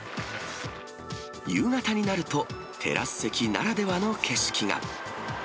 夕方になると、テラス席ならではの景色が。